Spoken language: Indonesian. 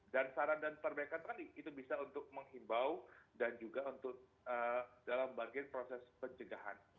dan saran dan perbaikan tadi itu bisa untuk menghimbau dan juga untuk dalam bagian proses pencegahan